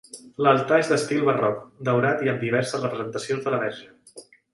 L'altar és d'estil barroc, daurat i amb diverses representacions de la Verge.